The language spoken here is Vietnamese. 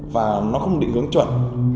và nó không định hướng chuẩn